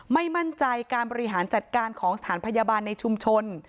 ไม่มั่นใจการบริหารจัดการของสถานพยาบาลในชุมชน